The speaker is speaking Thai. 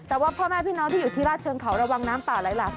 แต่ว่าพ่อแม่พี่น้องที่อยู่ที่ราชเชิงเขาระวังน้ำป่าไหลหลาก